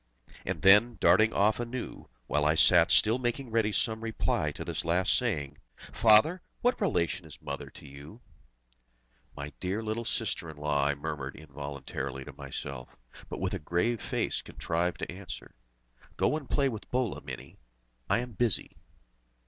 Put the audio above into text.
And then, darting off anew, while I sat still making ready some reply to this last saying, "Father! what relation is Mother to you?" "My dear little sister in the law!" I murmured involuntarily to myself, but with a grave face contrived to answer: "Go and play with Bhola, Mini! I am busy!"